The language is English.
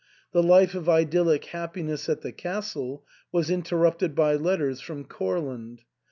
The life of idyllic happiness at the castle was interrupted by letters from Courland.